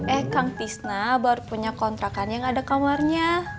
eh kang tisna baru punya kontrakan yang ada kamarnya